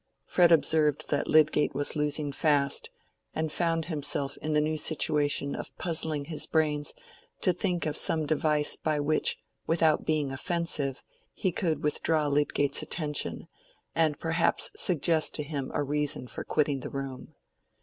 Fred observed that Lydgate was losing fast, and found himself in the new situation of puzzling his brains to think of some device by which, without being offensive, he could withdraw Lydgate's attention, and perhaps suggest to him a reason for quitting the room.